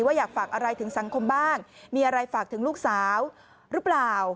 อยากฝากอะไรถึงสังคมบ้างมีอะไรฝากถึงลูกสาวหรือเปล่า